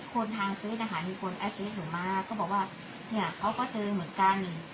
คนทางซื้นอาหารมีคนแอดซิแลนด์มากก็บอกว่าเนี้ยเขาก็เจอเหมือนกัน